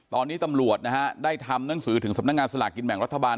ตอนนี้ตำรวจนะฮะได้ทำหนังสือถึงสำนักงานสลากกินแบ่งรัฐบาล